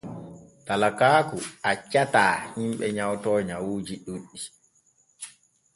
Talakaaku accataa himɓe nyawto nyawuuji ɗuuɗɗi.